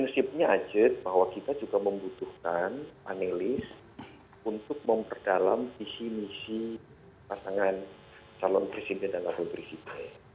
betul jadi prinsipnya ajit bahwa kita juga membutuhkan panelis untuk memperdalam visi misi pasangan calon presiden dan panggil presiden